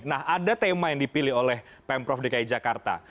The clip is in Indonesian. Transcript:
nah ada tema yang dipilih oleh pemprov dki jakarta